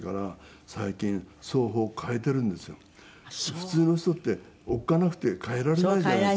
普通の人っておっかなくて変えられないじゃないですか。